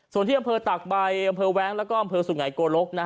ส่วนที่อำเภอตากใบอำเภอแว้งแล้วก็อำเภอสุไงโกลก